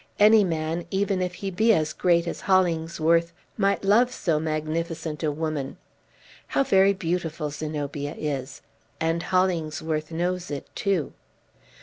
Any man, even if he be as great as Hollingsworth, might love so magnificent a woman. How very beautiful Zenobia is! And Hollingsworth knows it, too."